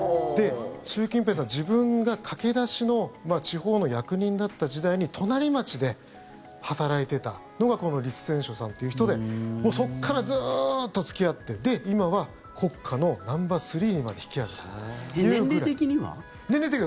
習近平さん、自分が駆け出しの地方の役人だった時代に隣町で働いてたのが、このリツ・センショさんという人でそこからずーっと付き合ってで、今は国家のナンバースリーにまで引き上げたっていうぐらい。